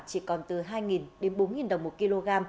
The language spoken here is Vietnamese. chỉ còn từ hai đến bốn đồng một kg